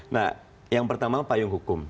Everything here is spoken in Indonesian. nah yang pertama payung hukum